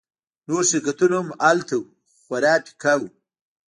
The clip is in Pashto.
نور شرکتونه هم هلته وو خو خورا پیکه وو